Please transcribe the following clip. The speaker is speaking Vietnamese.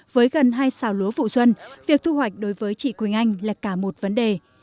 với gần hai xào lúa vụ xuân việc thu hoạch đối với chị quỳnh anh là cả một vấn đề